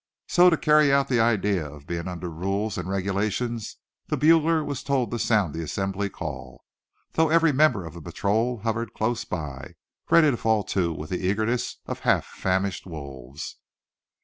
So, to carry out the idea of being under rules and regulations, the bugler was told to sound the assembly call, though every member of the patrol hovered close by, ready to fall to with the eagerness of half famished wolves.